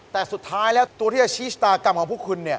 แต่สุดท้ายแล้วตัวที่จะชี้ชะตากรรมของพวกคุณเนี่ย